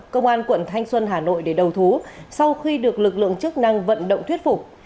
công an quận thanh xuân hà nội để đầu thú sau khi được lực lượng chức năng vận động thuyết phục